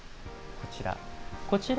こちら。